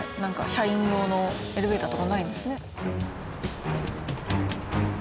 社員用のエレベーターとかないんですね。